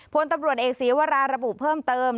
พลตำรวจเอกศีวราระบุเพิ่มเติม